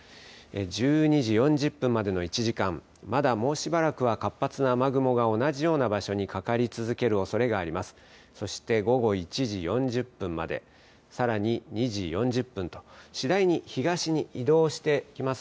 １２時４０分までの１時間、まだもうしばらくは活発な雨雲が同じような場所にかかり続けるおそれがあります。